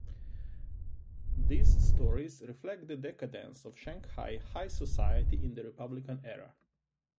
These stories reflect the decadence of Shanghai high society in the Republican era.